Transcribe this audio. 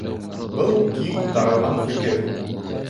Был киң таралған фекер.